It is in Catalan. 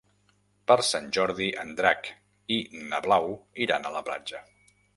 Per Sant Jordi en Drac i na Blau iran a la platja.